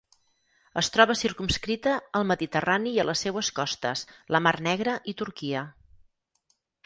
Es troba circumscrita al Mediterrani i a les seues costes, la Mar Negra i Turquia.